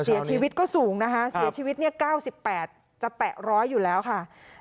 ศรีชีวิตก็สูงนะคะศรีชีวิต๙๘จะแตะ๑๐๐อยู่แล้วค่ะ